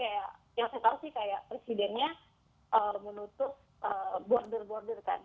ya yang saya tahu sih kayak presidennya menutup border border kan